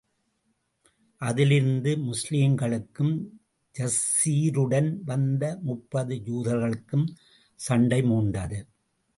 அதிலிருந்து முஸ்லிம்களுக்கும், யாஸிருடன் வந்த முப்பது யூதர்களுக்கும் சண்டை மூண்டது.